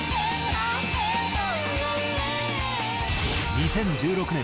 ２０１６年